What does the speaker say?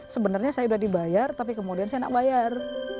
sebenarnya saya udah dibayar tapi kemudian saya nggak bayar